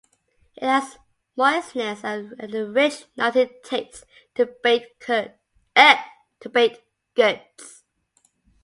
It adds moistness and a rich nutty taste to baked goods.